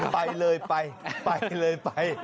ไปเลยไปไปเลยไป